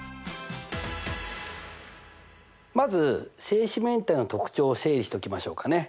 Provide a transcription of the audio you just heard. まず正四面体の特徴を整理しときましょうかね。